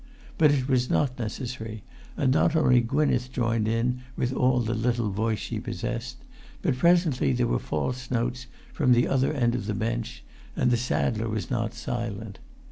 But it was not necessary, and not only Gwynneth joined in with all the little voice she possessed, but presently there were false notes from the other end of the bench, and the saddler was not silent.